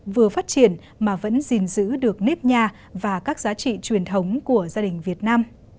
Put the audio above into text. vừa phát triển mà vẫn gìn giữ được nếp nhà và các giá trị truyền thống của gia đình việt nam